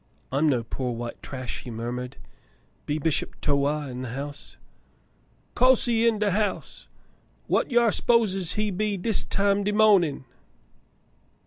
"I'm no poor white trash," he murmured. "Be Bishop Towah in the house ?*' "Co'se he in de haouse. Whar yo s'poses he be dis time de mawnin'